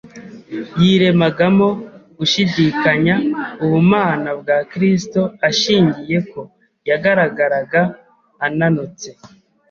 Yiremagamo gushidikanya ubumana bwa Kristo ashingiye ko yagaragaraga ananutse